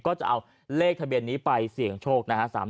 ก็จะเอาเลขทะเบียนนี้ไปเสี่ยงโชคนะฮะ